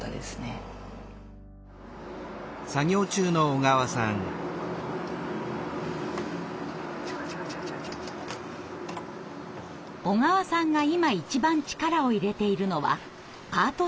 小川さんが今一番力を入れているのはアート作品の触図。